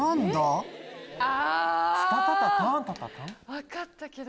分かったけど。